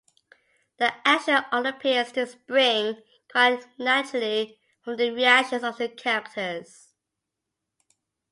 The action all appears to spring quite naturally from the reactions of the characters.